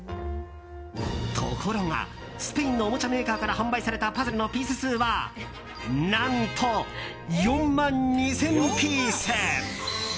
ところがスペインのおもちゃメーカーから販売されたパズルのピース数は何と、４万２０００ピース！